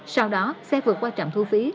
sau đó xe vượt qua trạm thu phí